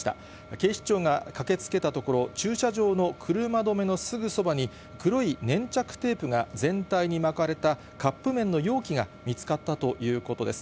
警視庁が駆けつけたところ、駐車場の車止めのすぐそばに、黒い粘着テープが全体に巻かれたカップ麺の容器が見つかったということです。